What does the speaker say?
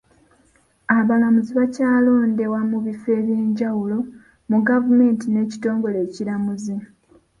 Abalamuzi bakyalondebwa mu bifo eby'enjawulo mu gavumenti n'ekitongole ekiramuzi.